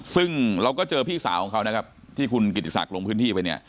ซึ่งเราก็เจอพี่สาวของเขานะครับที่คุณลงพื้นที่ไปนี้